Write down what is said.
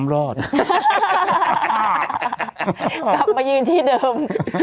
สวัสดีครับคุณผู้ชม